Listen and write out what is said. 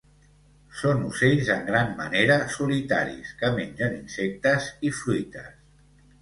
Són ocells en gran manera solitaris que mengen insectes i fruites.